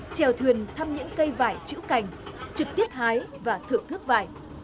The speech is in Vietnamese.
trèo thuyền thăm những cây vải chữ cành trực tiếp hái và thưởng thức vải